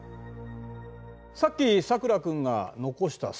さっきさくら君が残したステーキ。